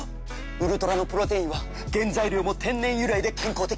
ＵＬＴＯＲＡのプロテインは原材料も天然由来で健康的！